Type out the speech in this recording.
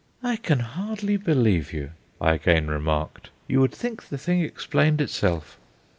"I can hardly believe you," I again remarked; "you would think the thing explained itself."